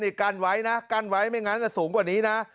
นี่กั้นไว้นะกั้นไว้ไม่งั้นสูงกว่านี้นะ